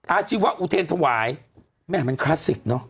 อาชีวะอุเทรนถวายแม่มันคลาสสิกเนอะ